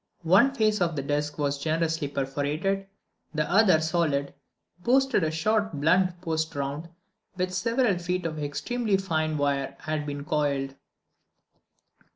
One face of this disk was generously perforated, the other, solid, boasted a short blunt post round which several feet of extremely fine wire had been coiled.